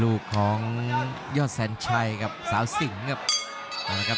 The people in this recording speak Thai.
ลูกของยอดแซนชัยครับสาวสิงค์ครับ